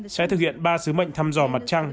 sẽ thực hiện ba sứ mệnh thăm dò mặt trăng